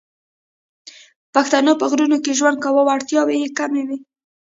پښتنو په غرونو کې ژوند کاوه او اړتیاوې یې کمې وې